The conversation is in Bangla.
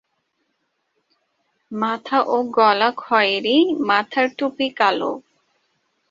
মাথা ও গলা খয়েরি, মাথার টুপি কালো।